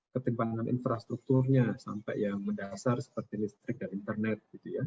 ketimpangan infrastrukturnya sampai yang mendasar seperti listrik dan internet